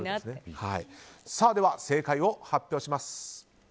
では、正解を発表します。